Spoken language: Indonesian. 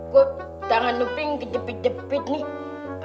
kok tanganmu pink kejepit jepit nih